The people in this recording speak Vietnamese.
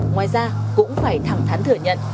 ngoài ra cũng phải thẳng thắn thừa nhận